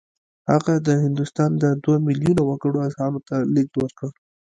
هغه د هندوستان د دوه میلیونه وګړو اذهانو ته لېږد ورکړ